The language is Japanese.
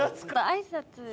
挨拶。